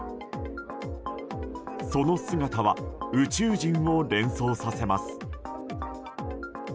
その姿は宇宙人を連想させます。